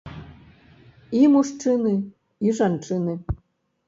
І мужчыны, і жанчыны.